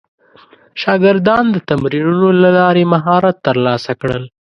شاګردان د تمرینونو له لارې مهارت ترلاسه کړل.